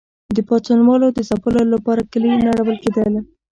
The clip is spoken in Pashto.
د پاڅونوالو د ځپلو لپاره کلي نړول کېدل.